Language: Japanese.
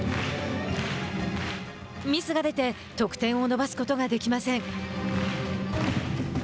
ミスが出て得点を伸ばすことができません。